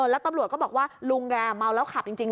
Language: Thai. แล้วตำรวจก็บอกว่าลุงแกเมาแล้วขับจริง